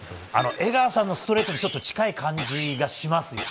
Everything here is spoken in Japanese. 江川さんのストレートにちょっと近い感じがしますよね。